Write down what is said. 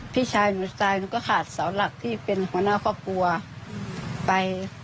พี่ชายหนูตายหนูก็ขาดเสาหลักที่เป็นหัวหน้าครอบครัวไป